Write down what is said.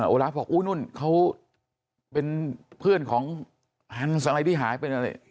โอราฟบอกอู้นุ่นเขาเป็นเพื่อนของทางสลายที่หาเป็นอะไร